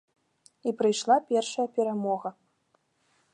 І прыйшла першая перамога.